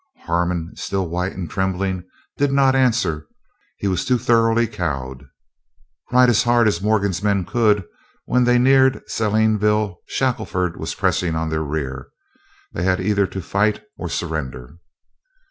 Harmon, still white and trembling, did not answer; he was too thoroughly cowed. Ride as hard as Morgan's men could, when they neared Salineville Shackelford was pressing on their rear. They had either to fight or surrender.